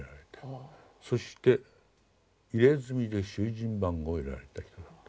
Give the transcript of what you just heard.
そして入れ墨で囚人番号を入れられた人だと。